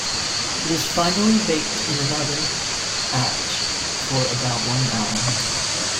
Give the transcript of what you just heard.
It is finally baked in an oven at for about one hour.